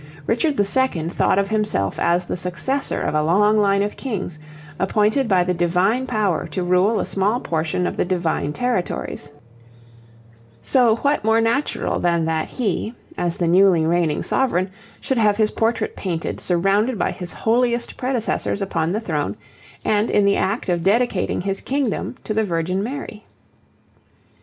Richard II. thought of himself as the successor of a long line of kings, appointed by the Divine Power to rule a small portion of the Divine Territories, so what more natural than that he, as the newly reigning sovereign, should have his portrait painted, surrounded by his holiest predecessors upon the throne, and in the act of dedicating his kingdom to the Virgin Mary?